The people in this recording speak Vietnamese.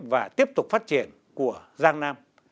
và tiếp tục phát triển của giang nam